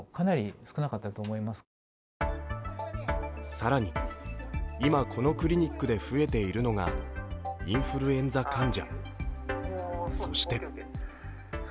更に、今、このクリニックで増えているのがインフルエンザ患者。